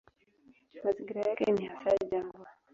Mazingira yake ni hasa jangwa.